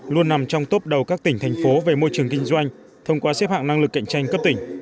luôn nằm trong tốp đầu các tỉnh thành phố về môi trường kinh doanh thông qua xếp hạng năng lực cạnh tranh cấp tỉnh